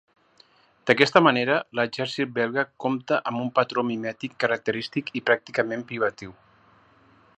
D'aquesta manera, l'exèrcit belga compta amb un patró mimètic característic i pràcticament privatiu.